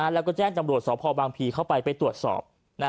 แล้วก็แจ้งจำรวจสพบางพีเข้าไปไปตรวจสอบ